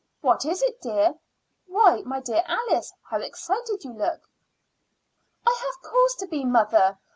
"What is it, dear? Why, my dear Alice, how excited you look!" "I have cause to be, mother.